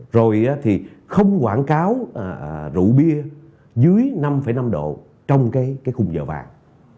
rồi thì không quảng cáo rượu bia dưới năm năm độ trong cái khung giờ vàng